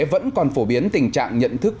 vẫn còn phổ biến tình trạng nhận thức